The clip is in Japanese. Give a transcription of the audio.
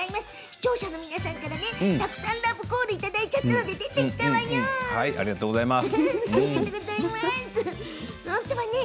視聴者の皆さんからたくさんラブコールをいただいちゃったのではい本当はね